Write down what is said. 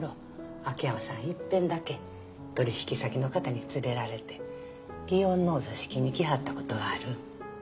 秋山さん一遍だけ取引先の方に連れられて祇園のお座敷に来はったことがあるん。